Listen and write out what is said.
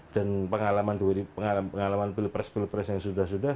dan pengalaman bilpres bilpres yang sudah sudah